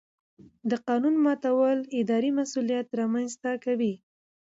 د قانون ماتول اداري مسؤلیت رامنځته کوي.